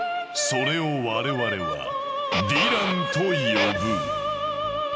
それを我々は「ヴィラン」と呼ぶ。